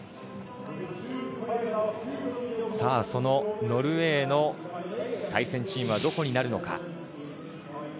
そのノルウェーの対戦チームはどこになるのか。